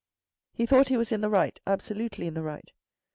He thought he was in the right, absolutely in the right.